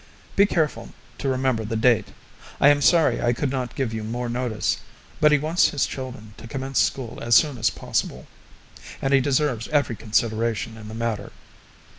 Be careful to remember the date. I am sorry I could not give you more notice; but he wants his children to commence school as soon as possible, and he deserves every consideration in the matter.